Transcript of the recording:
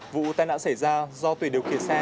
vụ tai nạn xảy ra do tùy điều khiển xe